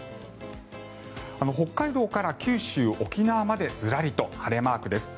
北海道から九州、沖縄までずらりと晴れマークです。